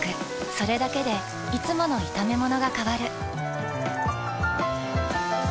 それだけでいつもの炒めものが変わる。